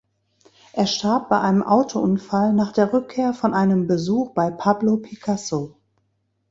Er starb bei einem Autounfall nach der Rückkehr von einem Besuch bei Pablo Picasso.